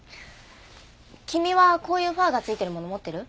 君はこういうファーが付いてるもの持ってる？